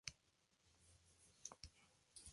Es el hogar del equipo de la Super League.